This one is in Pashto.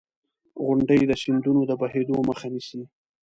• غونډۍ د سیندونو د بهېدو مخه نیسي.